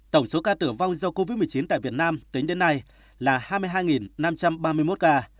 tổng số ca tử vong do covid một mươi chín tại việt nam tính đến nay là hai mươi hai năm trăm ba mươi một ca